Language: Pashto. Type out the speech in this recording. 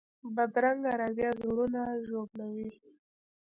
بدرنګه رویه زړونه ژوبلوي